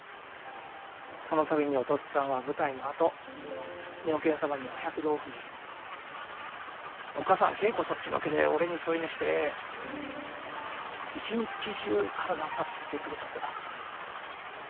その度におとっつぁんは舞台のあと妙見様にお百度を踏みおっかさん稽古そっちのけで俺に添い寝して一日中体さすってくれたそうだ。